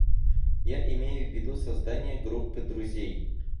Я имею в виду создание группы друзей.